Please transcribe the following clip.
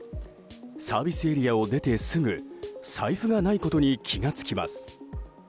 サービスエリアを出てすぐ財布がないことに気が付きます。